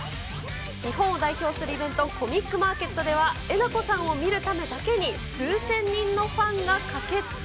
日本を代表するイベント、コミックマーケットでは、えなこさんを見るためだけに、数千人のファンが駆けつけ、